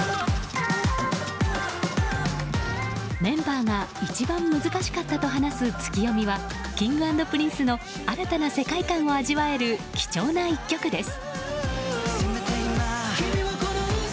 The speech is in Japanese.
メンバーが一番難しかったと話す「ツキヨミ」はＫｉｎｇ＆Ｐｒｉｎｃｅの新たな世界観を味わえる貴重な１曲です。